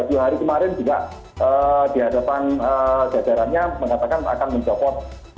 tuh hari kemarin juga di hadapan jadarannya mengatakan akan mencokot